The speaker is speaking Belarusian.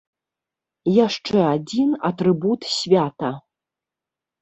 Яшчэ адзін атрыбут свята.